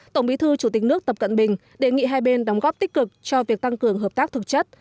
tổng bí thư chủ tịch nước tập cận bình đề nghị hai bên đóng góp tích cực cho việc tăng cường hợp tác thực chất